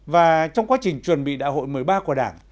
và trong quá trình chuẩn bị đại hội một mươi ba của đảng